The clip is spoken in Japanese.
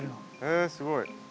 へえすごい。